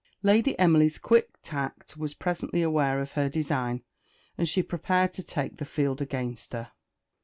Lady Emily's quick tact was presently aware of her design, and she prepared to take the field against her.